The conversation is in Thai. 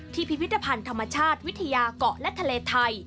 พิพิธภัณฑ์ธรรมชาติวิทยาเกาะและทะเลไทย